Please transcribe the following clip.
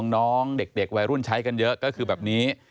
น้องเด็กวัยรุ่นใช้กันเยอะก็คือแบบนี้